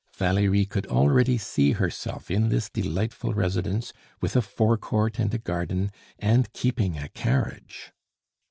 Valerie could already see herself in this delightful residence, with a fore court and a garden, and keeping a carriage!